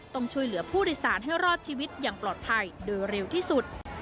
ต้องช่วยเหลือผู้โดยสารให้รอดชีวิตอย่างปลอดภัยโดยเร็วที่สุด